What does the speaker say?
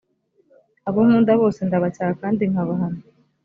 abo nkunda bose ndabacyaha kandi nkabahana